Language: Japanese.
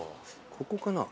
ここかな？